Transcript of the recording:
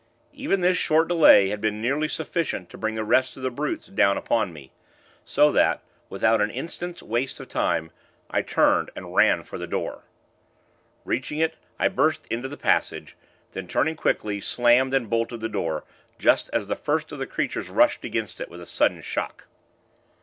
Even this short delay had been nearly sufficient to bring the rest of the brutes down upon me; so that, without an instant's waste of time, I turned and ran for the door. Reaching it, I burst into the passage; then, turning quickly, slammed and bolted the door, just as the first of the creatures rushed against it, with a sudden shock.